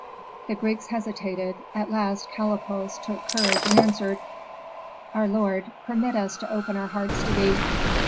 The Greeks hesitated; at last Kalippos took courage and answered, "Our lord, permit us to open our hearts to thee.